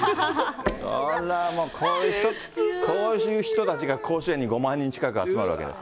そら、こういう人たちが甲子園に５万人近く集まるわけです。